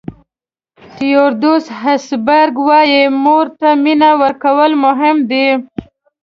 تیودور هسبرګ وایي مور ته مینه ورکول مهم دي.